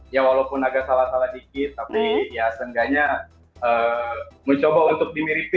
ya walaupun agak salah salah dikit tapi ya seenggaknya mencoba untuk dimiripi